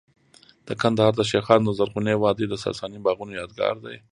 د کندهار د شیخانو د زرغونې وادۍ د ساساني باغونو یادګار دی